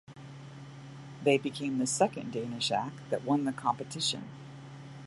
They became the second Danish act that won the competition.